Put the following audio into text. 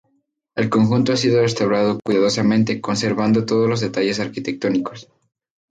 El conjunto ha sido restaurado cuidadosamente, conservando todos los detalles arquitectónicos.